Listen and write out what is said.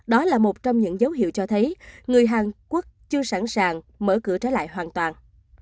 đó là một trong những dấu hiệu cho thấy người hàn quốc chưa sẵn sàng mở cửa trở lại hoàn toàn